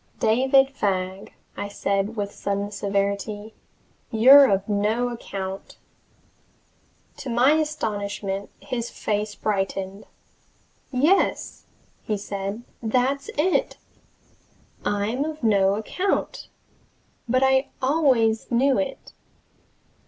"David Fagg," I said with sudden severity, "you're of no account!" To my astonishment his face brightened. "Yes," said he, "that's it! I'm of no account! But I always knew it.